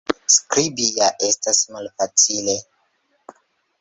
Skribi ja estas malfacile.